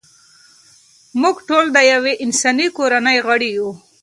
موږ ټول د یوې انساني کورنۍ غړي یو.